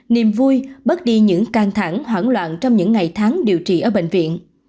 niềm vui bớt đi những căng thẳng hoảng loạn trong những ngày tháng điều trị ở bệnh viện